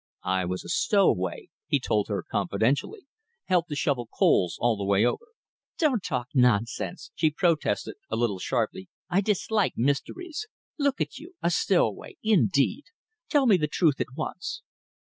"I was a stowaway," he told her confidentially "helped to shovel coals all the way over." "Don't talk nonsense!" she protested a little sharply. "I dislike mysteries. Look at you! A stowaway, indeed! Tell me the truth at once?"